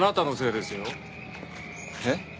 えっ？